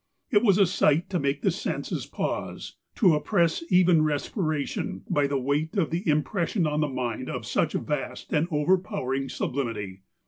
J r was a sight to make the senses pause ; to oppress even respiration, by the weight of the impression on the mind of such vast and overpowering sublimity.